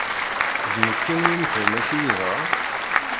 D nekk kan ur nefhim acu yeḍran?